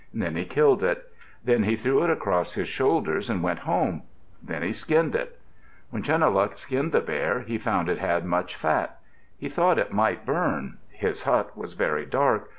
Then he killed it. Then he threw it across his shoulders and went home. Then he skinned it. When Chunuhluk skinned the bear, he found it had much fat. He thought it might burn. His hut was very dark.